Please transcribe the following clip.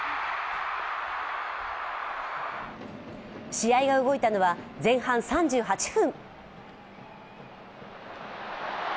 試合が動いたのは前半３８分。